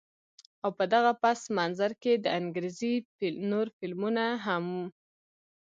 او په دغه پس منظر کښې د انګرېزي نور فلمونه هم